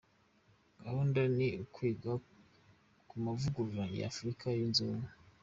Gahunda ni ukwiga ku mavugurura ya Afurika yunze Ubumwe.